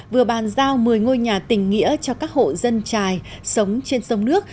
vừa bàn giao một mươi ngôi nhà tình nghĩa cho các hộ dân trài sống trên sông nước